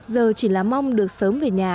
giờ chỉ là mong được sớm về nhà